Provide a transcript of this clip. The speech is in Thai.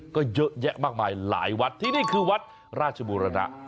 ก็เยอะแยะมากมายหลายวัดที่นี่คือวัดราชบุรณะ